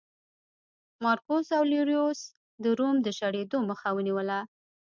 مارکوس اورلیوس د روم د شړېدو مخه ونیوله